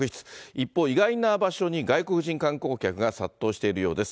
一方、意外な場所に外国人観光客が殺到しているようです。